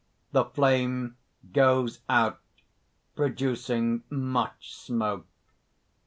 (_The flame goes out, producing much smoke.